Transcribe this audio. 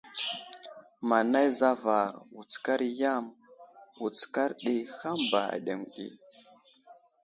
Manay zavar, wutskar i yam, wutskar ɗi, hàm ba aɗeŋw ɗi.